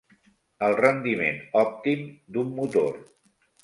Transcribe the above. El rendiment òptim d'un motor.